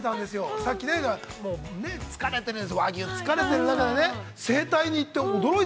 さっき、疲れてるんですよ、和牛疲れてる中で、整体に行って、驚いた。